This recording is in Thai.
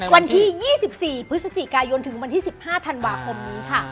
วันที่๒๔พฤศจิกายนถึงวันที่๑๕ธันวาคมนี้ค่ะ